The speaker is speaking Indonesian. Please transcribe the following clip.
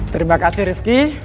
terima kasih riffky